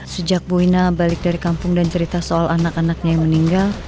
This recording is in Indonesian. sejak boina balik dari kampung dan cerita soal anak anaknya yang meninggal